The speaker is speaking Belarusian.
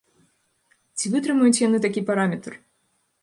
Ці вытрымаюць яны такі параметр?